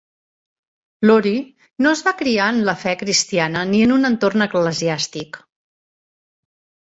Laurie no es va criar en la fe cristiana ni en un entorn eclesiàstic.